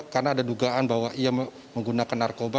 karena ada dugaan bahwa ia menggunakan narkoba